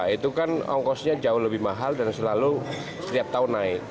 itu kan ongkosnya jauh lebih maju